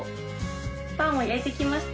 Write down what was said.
パンを焼いてきました